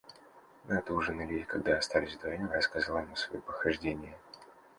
Мы отужинали, и, когда остались вдвоем, я рассказал ему свои похождения.